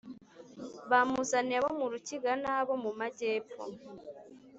Bamuzaniye abo mu rukiga nabo mumajyepfo